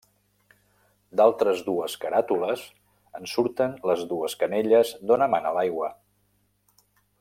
D'altres dues caràtules en surten les dues canelles d'on emana l'aigua.